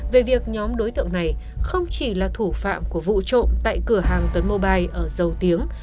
về việc nhóm đối tượng này không chỉ là thủ phạm của vụ trộm tại cửa hàng tuấn mobile ở dầu tiếng